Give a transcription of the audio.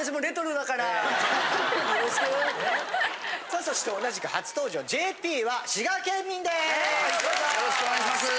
さあそして同じく初登場ＪＰは滋賀県民です！